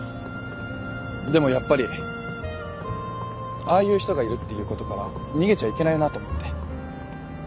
でもやっぱりああいう人がいるっていうことから逃げちゃいけないなと思って。